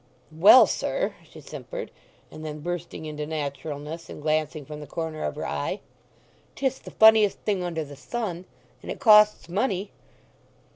"Well, sir!" she simpered. And then, bursting into naturalness, and glancing from the corner of her eye, "'Tis the funniest thing under the sun! And it costs money."